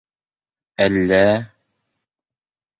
— Әллә...